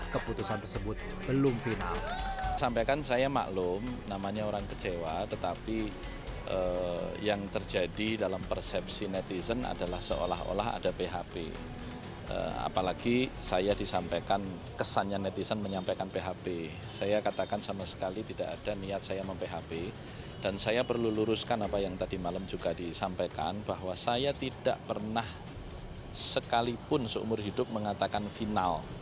keputusan tersebut belum final